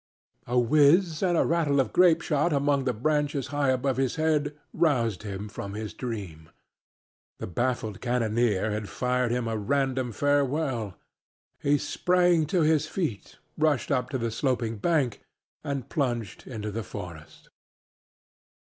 A whiz and rattle of grapeshot among the branches high above his head roused him from his dream. The baffled cannoneer had fired him a random farewell. He sprang to his feet, rushed up the sloping bank, and plunged into the forest.